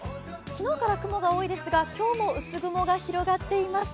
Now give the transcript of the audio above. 昨日から雲が多いですが、今日も薄雲が広がっています。